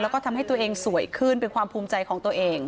แล้วก็ทำให้ตัวเองสวยขึ้นเป็นความภูมิใจของตัวเอง